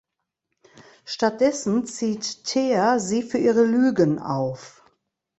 Stattdessen zieht Thea sie für ihre Lügen auf.